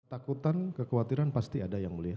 takutan kekhawatiran pasti ada yang melihat